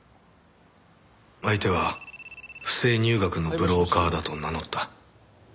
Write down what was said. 相手は不正入学のブローカーだと名乗った。